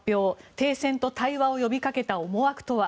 停戦と対話を呼びかけた思惑とは。